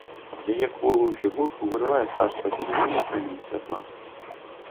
Яе кволую фігурку вырывае з царства зеляніны прамень святла.